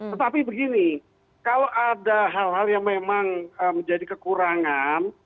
tetapi begini kalau ada hal hal yang memang menjadi kekurangan